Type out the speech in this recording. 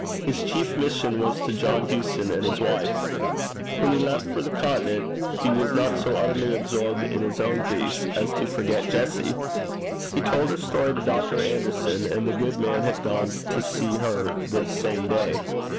His chief mission was to John Hewson and his wife. When he left for the continent, he was not so utterly absorbed in his own griefs as to forget Jessie. He told her story to Dr. Anderson, and the good man had gone to see her the same day.